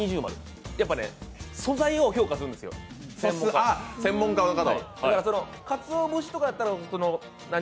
やっぱね、素材を評価するんですよ専門家って。